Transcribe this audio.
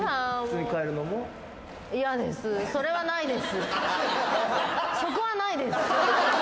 それはないです。